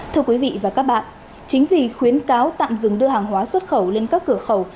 thưa quý vị và các bạn chính vì khuyến cáo tạm dừng đưa hàng hóa xuất khẩu lên các cửa khẩu